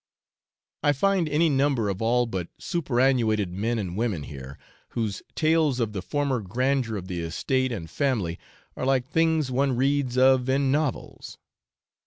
I find any number of all but superannuated men and women here, whose tales of the former grandeur of the estate and family are like things one reads of in novels.